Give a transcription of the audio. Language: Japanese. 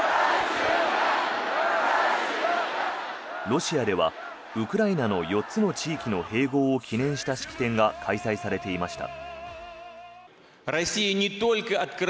ロシアではウクライナの４つの地域の併合を記念した式典が開催されていました。